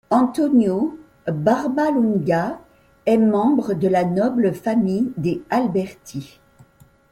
Antonio Barbalunga est membre de la noble famille des Alberti.